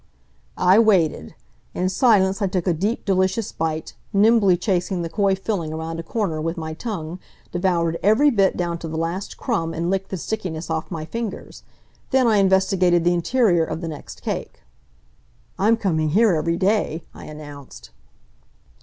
I waded. In silence I took a deep delicious bite, nimbly chased the coy filling around a corner with my tongue, devoured every bit down to the last crumb and licked the stickiness off my fingers. Then I investigated the interior of the next cake. "I'm coming here every day," I announced.